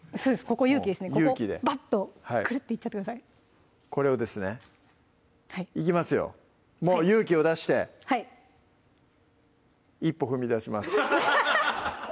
ここ勇気ですねばっとくるっていっちゃってくださいこれをですねいきますよもう勇気を出して一歩踏み出します